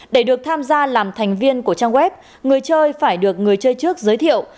để được tham gia làm thành viên của trang web người chơi phải được người chơi trước giới thiệu